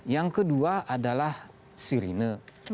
yang kedua adalah sirene